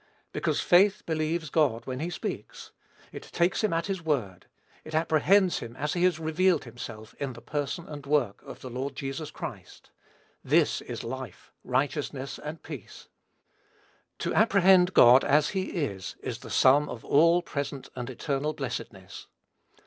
Because faith believes God when he speaks; it takes him at his word; it apprehends him as he has revealed himself in the person and work of the Lord Jesus Christ. This is life, righteousness, and peace. To apprehend God as he is, is the sum of all present and eternal blessedness.